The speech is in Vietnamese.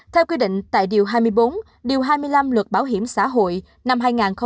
theo quy định tại điều hai mươi bốn điều hai mươi năm luật bảo hiểm xã hội năm hai nghìn một mươi bốn